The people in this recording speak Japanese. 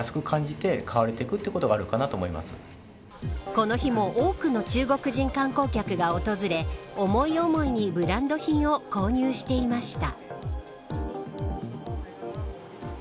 この日も多くの中国人観光客が訪れ思い思いにブランド品を購入していました。